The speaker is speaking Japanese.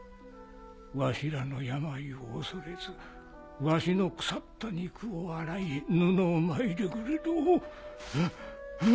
わしらの病を恐れずわしの腐った肉を洗い布を巻いてくれた。